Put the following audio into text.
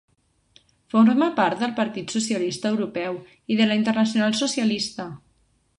Forma part del Partit Socialista Europeu i de la Internacional Socialista.